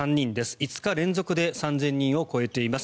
５日連続で３０００人を超えています。